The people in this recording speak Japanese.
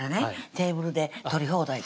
テーブルで取り放題